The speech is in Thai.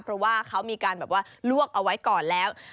เพราะว่าเขามีการแบบว่าลวกเอาไว้ก่อนแล้ว